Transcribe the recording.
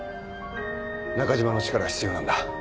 中嶋の力が必要なんだ。